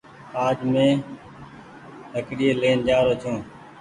آج مينٚ لهڪڙي لين جآرو ڇوٚنٚ